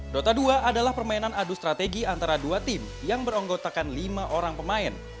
dota dua adalah permainan adu strategi antara dua tim yang beranggotakan lima orang pemain